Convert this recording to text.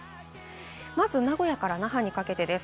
まず名古屋から那覇にかけてです。